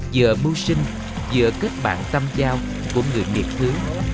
giữa mưu sinh giữa kết bạn tâm giao của người miệt thứ